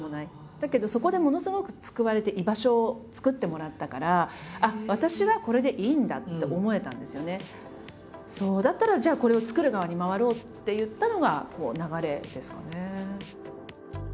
だけどそこでものすごく救われてだったらじゃあこれを作る側に回ろうっていったのが流れですかね。